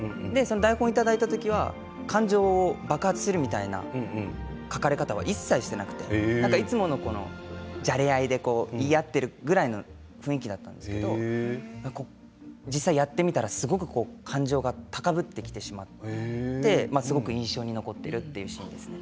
台本頂いた時は感情を爆発するみたいな書かれ方は一切していなくて何かいつものこのじゃれ合いでこう言い合ってるぐらいの雰囲気だったんですけど実際やってみたらすごくこう感情が高ぶってきてしまってすごく印象に残っているっていうシーンですね。